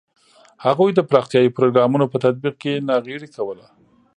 هغوی د پراختیايي پروګرامونو په تطبیق کې ناغېړي کوله.